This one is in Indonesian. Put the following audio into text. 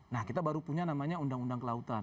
nah kita baru punya namanya undang undang kelautan